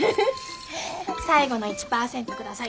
最後の１％下さい。